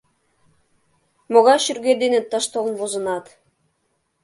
Могай шӱргет дене тыш толын возынат!».